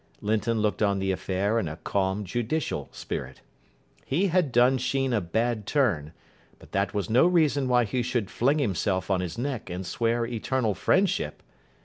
Linton looked on the affair in a calm, judicial spirit. He had done Sheen a bad turn, but that was no reason why he should fling himself on his neck and swear eternal friendship.